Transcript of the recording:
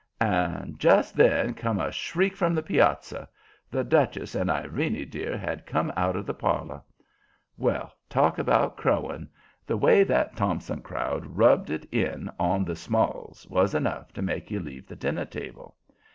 And just then come a shriek from the piazza; the Duchess and "Irene dear" had come out of the parlor. Well! Talk about crowing! The way that Thompson crowd rubbed it in on the Smalls was enough to make you leave the dinner table.